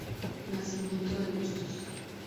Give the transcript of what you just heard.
Nacimiento de Bustos